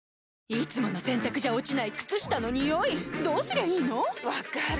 いつもの洗たくじゃ落ちない靴下のニオイどうすりゃいいの⁉分かる。